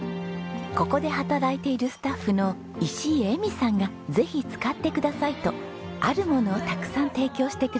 ここで働いているスタッフの石井恵美さんがぜひ使ってくださいとあるものをたくさん提供してくれたんです。